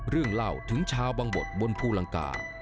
เล่าถึงชาวบังบดบนภูลังกา